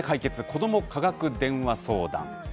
子ども科学電話相談」。